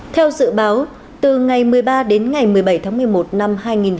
theo dự báo từ ngày một mươi ba đến ngày một mươi bảy tháng một mươi một năm hai nghìn hai mươi